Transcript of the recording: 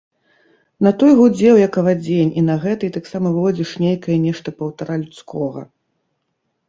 На той гудзеў, як авадзень, і на гэтай таксама выводзіш нейкае нешта паўтара людскога.